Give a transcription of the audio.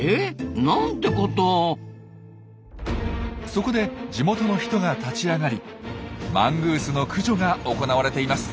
そこで地元の人が立ち上がりマングースの駆除が行われています。